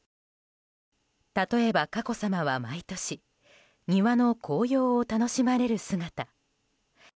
例えば佳子さまは毎年庭の紅葉を楽しまれる姿。